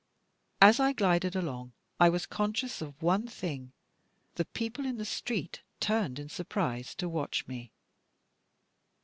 As I glided along, I was conscious of one thing, the people in the street turned in surprise to watch me.